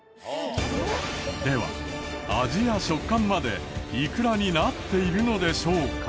では味や食感までイクラになっているのでしょうか？